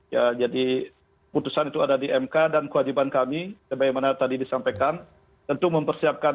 ya jadi putusan itu ada di mk dan kewajiban kami sebagaimana tadi disampaikan tentu mempersiapkan